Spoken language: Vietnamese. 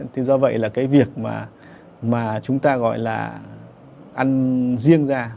thế do vậy là cái việc mà chúng ta gọi là ăn riêng ra